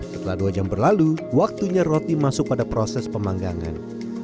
setelah dua jam berlalu waktunya roti masuk pada proses pemanggangan